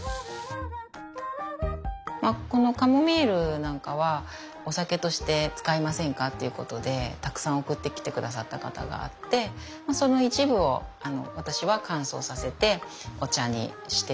まあこのカモミールなんかはお酒として使いませんかっていうことでたくさん送ってきて下さった方があってその一部を私は乾燥させてお茶にしてみたりとか。